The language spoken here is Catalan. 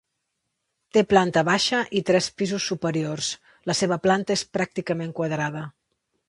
Té planta baixa i tres pisos superiors; la seva planta és pràcticament quadrada.